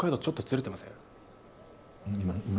ちょっとずれてません？